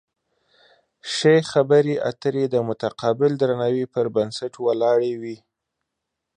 ښې خبرې اترې د متقابل درناوي پر بنسټ ولاړې وي.